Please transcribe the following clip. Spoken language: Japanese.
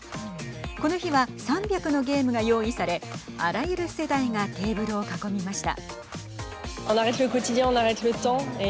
この日は３００のゲームが用意されあらゆる世代がテーブルを囲みました。